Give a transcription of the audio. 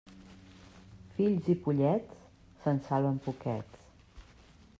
Fills i pollets, se'n salven poquets.